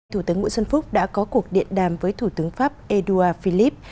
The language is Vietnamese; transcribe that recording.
thủ tướng nguyễn xuân phúc đã có cuộc điện đàm với thủ tướng pháp edouard philip